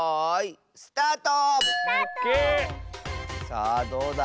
さあどうだ？